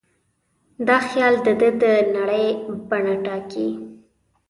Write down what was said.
دا خیال د ده د نړۍ بڼه ټاکي.